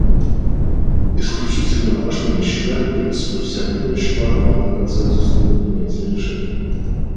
Исключительно важными считаем принципы всеобъемлющего охвата и консенсусного принятия решений.